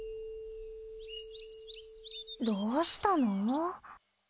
どうしたの？